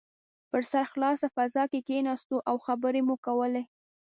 په سرخلاصه فضا کې کښېناستو او خبرې مو کولې.